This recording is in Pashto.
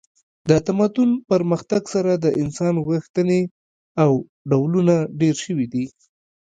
د تمدن پرمختګ سره د انسان غوښتنې او ډولونه ډیر شوي دي